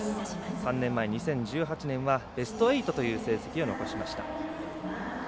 ３年前２０１８年はベスト８という成績を残しました。